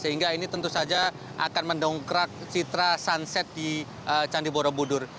sehingga ini tentu saja akan mendongkrak citra sunset di candi borobudur